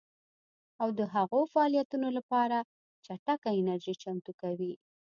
او د هغو فعالیتونو لپاره چټکه انرژي چمتو کوي